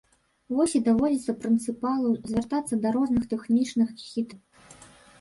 Вось і даводзіцца прынцыпалу звяртацца да розных тэхнічных хітрыкаў.